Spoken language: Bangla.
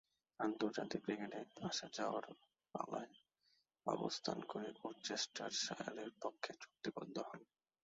আন্তর্জাতিক ক্রিকেটে আসা-যাওয়ার পালায় অবস্থান করে ওরচেস্টারশায়ারের পক্ষে চুক্তিবদ্ধ হন।